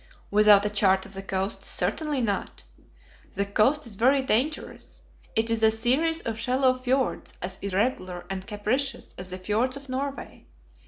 "Without a chart of the coast, certainly not. The coast is very dangerous. It is a series of shallow fiords as irregular and capricious as the fiords of Norway.